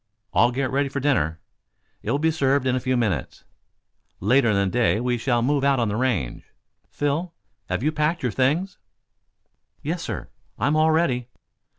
All get ready for dinner. It will be served in a few moments. Later in the day, we shall move out on the range. Phil, have you packed up your things?" "Yes, sir. I'm all ready."